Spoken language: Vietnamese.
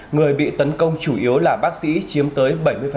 người bị tấn công chủ yếu là bác sĩ chiếm tới bảy mươi